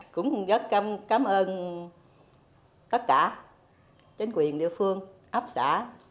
cũng rất cảm ơn tất cả chính quyền địa phương ấp xã